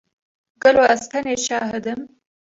Gelo ez tenê şahid im?